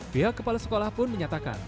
pihak kepala sekolah pun menyatakan